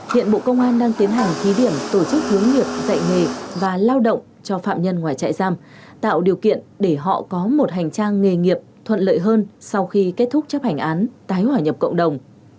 hiện bộ công an đang tiến hành thí điểm tổ chức hướng nghiệp dạy nghề và lao động cho phạm nhân ngoài trại giam tạo điều kiện để họ có một hành trang nghề nghiệp thuận lợi hơn sau khi kết thúc chấp hành án tái hỏa nhập cộng đồng